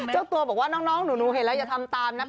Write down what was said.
เจ้าตัวบอกว่าน้องหนูเห็นแล้วอย่าทำตามนะ